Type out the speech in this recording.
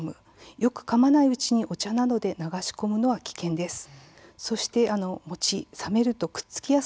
よくかまないうちに、お茶などで流し込むのは危険です。